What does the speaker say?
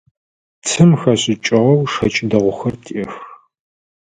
Цым хэшӏыкӏыгъэу шэкӏ дэгъухэр тиӏэх.